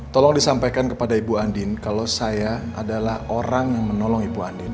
tolong disampaikan kepada ibu andin kalau saya adalah orang yang menolong ibu andin